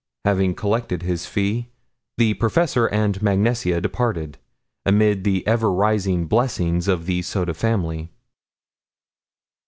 Having collected his fee, the professor and Mag Nesia departed, amid the ever rising blessings of the Soda family.